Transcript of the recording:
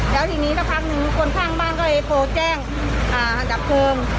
แล้วทีนี้สักพักนึงคนข้างบ้านก็เลยโทรแจ้งดับเพลิง